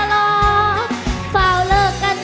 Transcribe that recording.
เธอเป็นผู้สาวขาเลียน